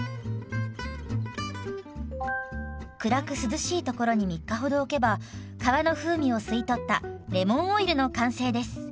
暗く涼しいところに３日ほど置けば皮の風味を吸い取ったレモンオイルの完成です。